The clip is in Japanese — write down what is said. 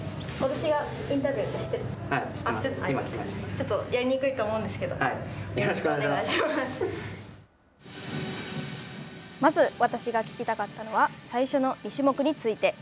ちょっとやりにくいと思うんですけどまず私が聞きたかったのは最初の２種目について。